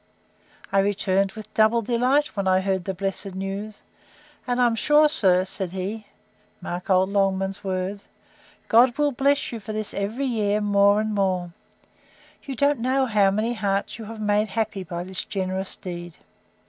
I returned with double delight, when I heard the blessed news; and I am sure, sir, said he, (mark old Longman's words,) God will bless you for this every year more and more! You don't know how many hearts you have made happy by this generous deed!